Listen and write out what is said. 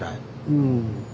うん。